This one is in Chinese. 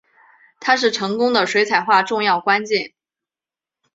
它是成功的水彩画重要关键。